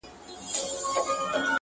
ځيني يې هنر بولي ډېر لوړ,